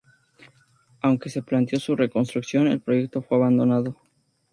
Aunque se planteó su reconstrucción, el proyecto fue abandonado.